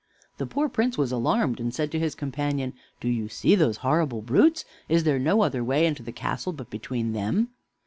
The poor Prince was alarmed, and said to his companion: "Do you see those horrible brutes? Is there no other way into the castle but between them?"